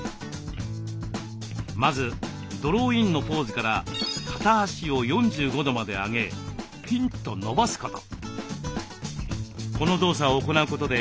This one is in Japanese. まずドローインのポーズから片足を４５度まで上げピンと伸ばすこと。